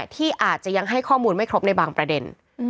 ที่อาจจะยังให้ข้อมูลไม่ครบในบางประเด็น